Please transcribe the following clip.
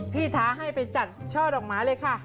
ท้าให้ไปจัดช่อดอกไม้เลยค่ะ